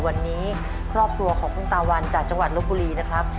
วันนี้ครอบครัวของคุณตาวันจากจังหวัดลบบุรีนะครับ